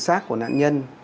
sát của nạn nhân